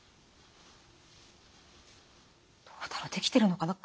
どうだろできてるのかな？